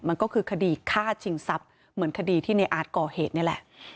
มันก็คือคดีฆ่าชิงทรัพย์เหมือนคดีที่ในอาร์ตก่อเหตุนี่แหละ